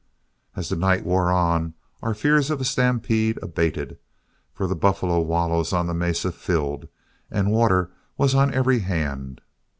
As the night wore on, our fears of a stampede abated, for the buffalo wallows on the mesa filled, and water was on every hand.